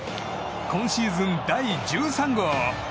今シーズン第１３号。